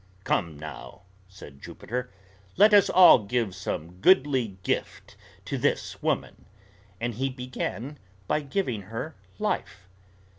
"Come now!" said Jupiter, "let us all give some goodly gift to this woman;" and he began by giving her life.